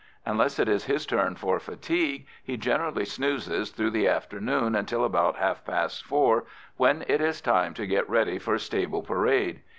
Unless it is his turn for fatigue, he generally snoozes through the afternoon until about half past four, when it is time to get ready for stable parade.